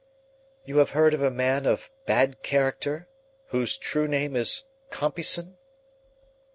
"You have heard of a man of bad character, whose true name is Compeyson?"